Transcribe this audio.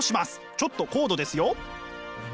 ちょっと高度ですよ！